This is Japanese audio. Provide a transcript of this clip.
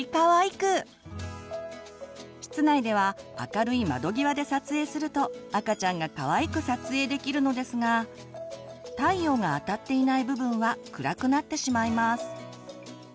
室内では明るい窓際で撮影すると赤ちゃんがかわいく撮影できるのですが太陽があたっていない部分は暗くなってしまいます。